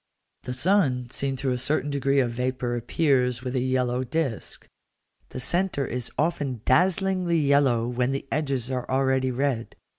The sun seen through a certain degree of vapour appears with a yellow disk; the centre is often dazzlingly yellow when the edges are already red.